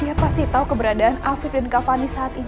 dia pasti tau keberadaan afif dan kak fanny saat ini